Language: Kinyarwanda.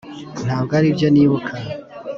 Ntabwo aribyo nibuka